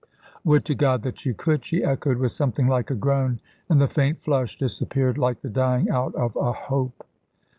"Would to God that you could!" she echoed with something like a groan, and the faint flush disappeared, like the dying out of a hope.